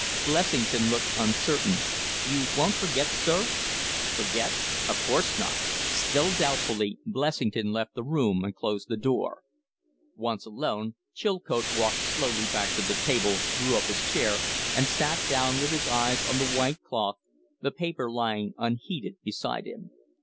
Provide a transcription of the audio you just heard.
Blessington looked uncertain. "You won't forget, sir?" "Forget? Of course not." Still doubtfully, Blessington left the room and closed the door. Once alone, Chilcote walked slowly back to the table, drew up his chair, and sat down with his eyes on the white cloth, the paper lying unheeded beside him.